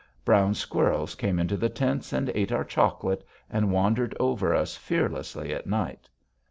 Brown squirrels came into the tents and ate our chocolate and wandered over us fearlessly at night.